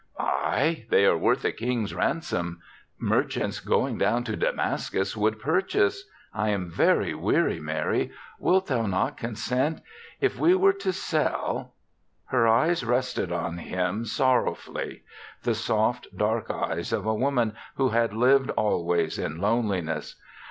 '' "Aye. They are worth a king's ransom. Merchants going down to Damascus would purchase. I am very weary, Mary. Wilt thou not; consent? If we were to sell " Her eyes rested on him sorrow fully — the soft, dark eyes of a woman who had lived always in loneliness.